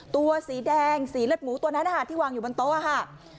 ตัวสีแดงสีเลือดหมูตัวนั้นที่วางอยู่บนโต๊ะค่ะ